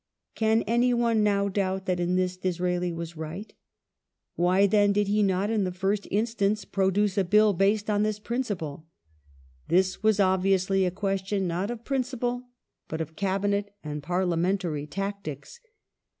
Can anyone now doubt that in this Disraeli was right ? Why then did he not in the fii*st instance produce a Bill based on this principle ? This was obvi ously a question not of principle, but of Cabinet and parliamentary tactics.